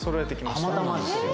たまたまですよ。